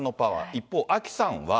一方、アキさんは。